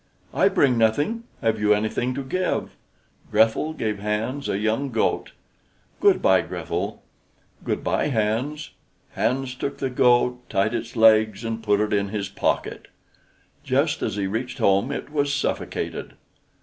"I bring nothing. Have you anything to give?" Grethel gave Hans a young goat. "Good by, Grethel." "Good by, Hans." Hans took the goat, tied its legs, and put it in his pocket. Just as he reached home it was suffocated.